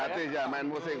iya gratis ya main musik